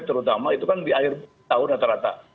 terutama itu kan di akhir tahun rata rata